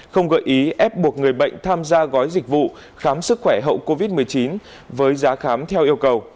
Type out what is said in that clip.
không gợi ý ép buộc người bệnh tham gia gói dịch vụ khám sức khỏe hậu covid một mươi chín với giá khám theo yêu cầu